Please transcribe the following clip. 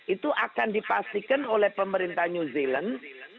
itu akan dipastikan oleh pemerintah new zealand